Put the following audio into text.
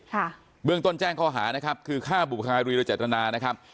ค่ะเบื้องต้นแจ้งข้อหานะครับคือฆ่าบุภารีโดยเจตนานะครับ